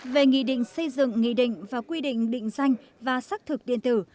về nghị định xây dựng nghị định và quy định định danh và xác thực điện tử